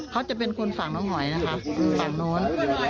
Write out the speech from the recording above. เขาจะเป็นคนฝั่งน้องหอยนะคะฝั่งโน้น